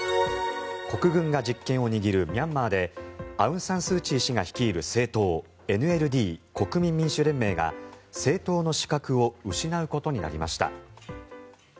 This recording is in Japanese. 国軍が実権を握るミャンマーでアウンサンスーチー氏が率いる政党ＮＬＤ・国民民主連盟が政党の資格を失うことになりました。